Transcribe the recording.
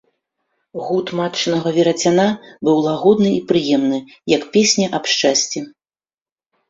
Гуд матчынага верацяна быў лагодны і прыемны, як песня аб шчасці.